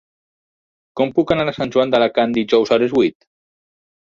Com puc anar a Sant Joan d'Alacant dijous a les vuit?